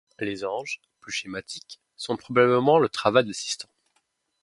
Les anges, plus schématiques, sont probablement le travail d'assistants.